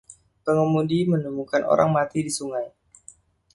Pengemudi menemukan orang mati di sungai.